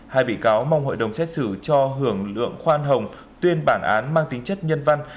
hai bị cáo mong hội đồng xét xử cho hưởng lượng khoan hồng tuyên bản án mang tính chất nhân văn